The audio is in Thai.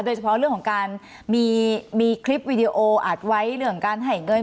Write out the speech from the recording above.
โดยเฉพาะเรื่องของการมีคลิปวิดีโออัดไว้เรื่องการให้เงิน